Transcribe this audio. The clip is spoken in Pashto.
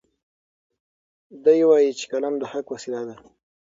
دی وایي چې قلم د حق وسیله ده.